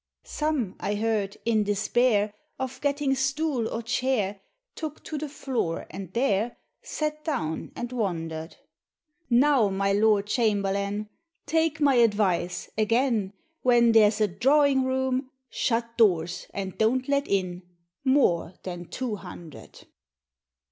.Some, I heard, in despair Of getting stool or chair. Took to flie floor, and there Sat down and wondered. Now, my Lord Chamberlain, Take my advice. Again When there's a Drawing room,' Shut doors, and don't let in More than Two Hundred.